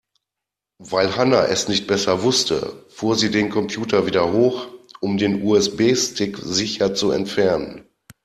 Weil Hanna es nicht besser wusste, fuhr sie den Computer wieder hoch, um den USB-Stick sicher zu entfernen.